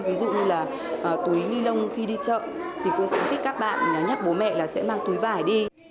ví dụ như là túi ni lông khi đi chợ thì cũng thích các bạn nhắc bố mẹ là sẽ mang túi vải đi